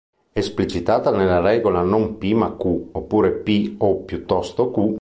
Esplicitata nella regola "non p ma q" oppure "p o piuttosto q".